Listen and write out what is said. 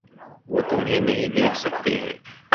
وہ تمہیں نہیں دیکھ سکتے ہیں۔